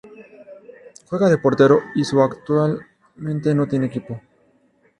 Juega de portero y su actualmente no tiene equipo.